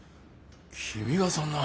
君がそんな。